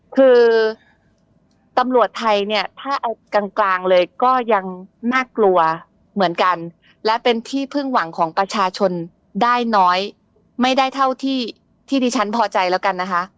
คือตำรวจไทยเนี่ยถ้าเอากลางกลางเลยก็ยังน่ากลัวเหมือนกันและเป็นที่พึ่งหวังของประชาชนได้น้อยไม่ได้เท่าที่ที่ฉันพอใจแล้วกันนะคะ